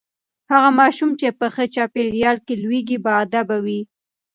هغه ماشوم چې په ښه چاپیریال کې لوییږي باادبه وي.